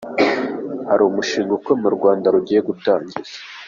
Hari umushinga ukomeye u Rwanda rugiye gutangiza.